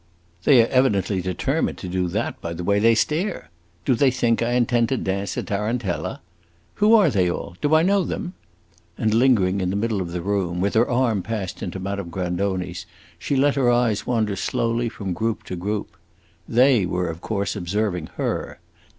"They are evidently determined to do that by the way they stare. Do they think I intend to dance a tarantella? Who are they all; do I know them?" And lingering in the middle of the room, with her arm passed into Madame Grandoni's, she let her eyes wander slowly from group to group. They were of course observing her.